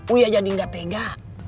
uya jadi gak tega